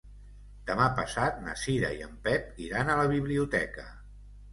Demà passat na Cira i en Pep iran a la biblioteca.